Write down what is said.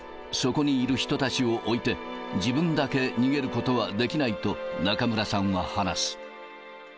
そこにいる人たちを置いて、自分だけ逃げることはできないと、中村さんは話す。